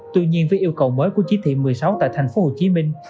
tuy nhiên với yêu cầu mới của chi tiệm một mươi sáu tại thành phố hồ chí minh